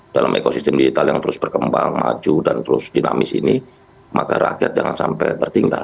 dalam ekosistem digital yang terus berkembang maju dan terus dinamis ini maka rakyat jangan sampai tertinggal